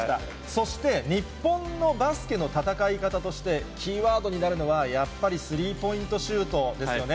そして、日本のバスケの戦い方として、キーワードになるのは、やっぱりスリーポイントシュートですよね。